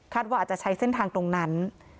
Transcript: ว่าอาจจะใช้เส้นทางตรงนั้น